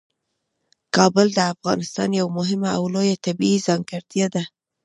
کابل د افغانستان یوه مهمه او لویه طبیعي ځانګړتیا ده.